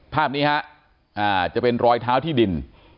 ภาพนี้ฮะจะเป็นรอยเท้าที่ดิน